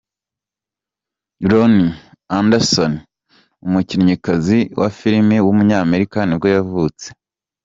Loni Anderson, umukinnyikazi wa film w’umunyamerika nibwo yavutse.